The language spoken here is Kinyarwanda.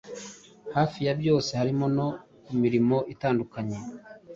hafi ya byoe, harimo no kumirimoitandukanye